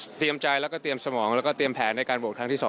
เตรียมใจแล้วก็เตรียมสมองแล้วก็เตรียมแผนในการโหวตครั้งที่๒